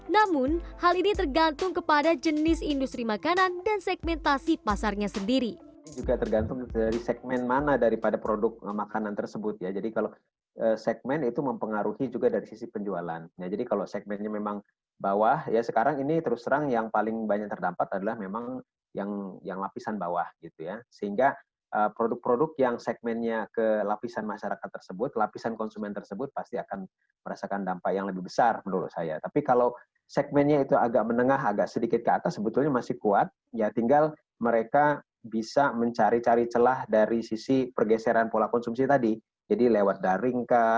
namun hal ini tergantung kepada jenis industri makanan dan segmentasi pasarnya sendiri